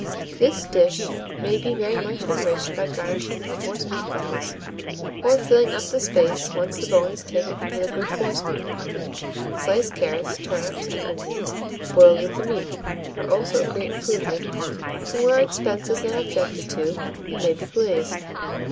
This dish may be very much enriched by garnishing with forcemeat balls, or filling up the space whence the bone is taken with a good forcemeat; sliced carrots, turnips, and onions boiled with the meat, are also a great improvement, and, where expense is not objected to, it may be glazed.